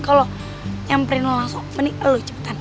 kalau nyamperin lo langsung mending lo cepetan